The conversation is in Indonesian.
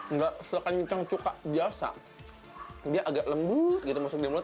nggak seakan akan cuka biasa dia agak lembut gitu masuk di mulut